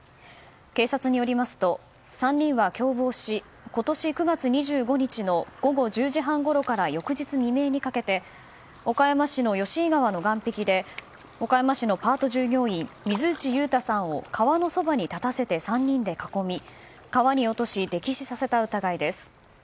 警察によりますと、３人は共謀し今年９月２５日の午後１０時半ごろから翌日未明にかけて岡山市の吉井川の岸壁で岡山市のパート従業員水内悠太さんを川のそばに立たせて３人で囲み川に落とし、溺死させた疑いです。